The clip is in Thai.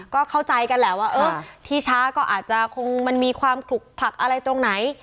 ก็เข้าใจกันแหละว่าที่ช้าก็อาจจะคงมันมีความขลุกผลักอะไรตรงไหน